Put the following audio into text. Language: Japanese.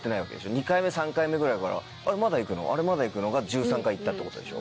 ２回目３回目ぐらいから「あれ？まだ行くの？」が１３回行ったってことでしょ？